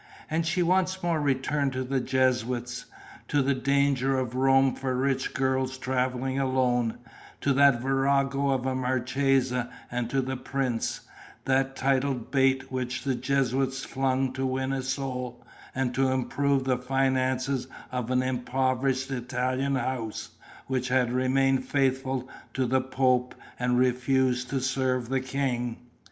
And she once more returned to the Jesuits, to the danger of Rome for rich girls travelling alone, to that virago of a marchesa and to the prince, that titled bait which the Jesuits flung to win a soul and to improve the finances of an impoverished Italian house which had remained faithful to the Pope and refused to serve the king.